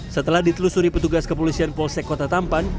setelah ditelusuri petugas kepolisian polsek kota tampan